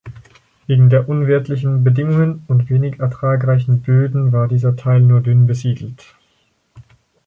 Wegen der unwirtlichen Bedingungen und wenig ertragreichen Böden war dieser Teil nur dünn besiedelt.